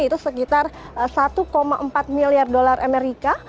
itu sekitar satu empat miliar dolar amerika